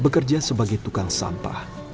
bekerja sebagai tukang sampah